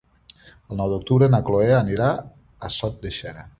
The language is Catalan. El nou d'octubre na Chloé anirà a Sot de Xera.